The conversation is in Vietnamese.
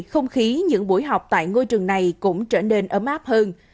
không khí những buổi học tại ngôi trường này cũng trở nên ấm áp hơn